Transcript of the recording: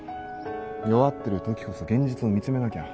弱ってるときこそ現実を見つめなきゃ。